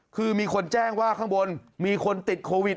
คือมีคนแจ้งว่าข้างบนมีคนติดโควิด